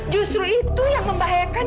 justru itu yang membahayakan